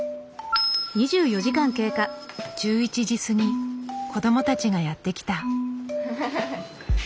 １１時過ぎ子どもたちがやって来た。